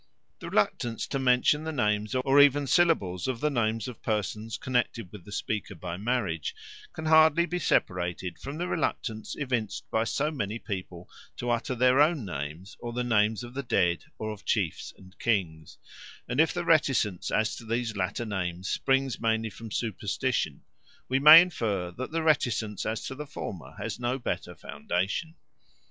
The reluctance to mention the names or even syllables of the names of persons connected with the speaker by marriage can hardly be separated from the reluctance evinced by so many people to utter their own names or the names of the dead or of the dead or of chiefs and kings; and if the reticence as to these latter names springs mainly from superstition, we may infer that the reticence as to the former has no better foundation.